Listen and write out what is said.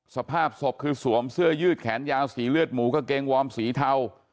สภาพศพคือสวมเสื้อยืดแขนยาวสีเลือดหมูกางเกงวอร์มสีเทา